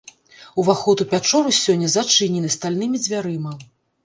Уваход у пячору сёння зачынены стальнымі дзвярыма.